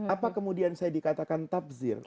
apa kemudian saya dikatakan tafzir